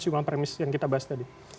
sejumlah premis yang kita bahas tadi